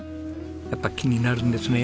やっぱ気になるんですね。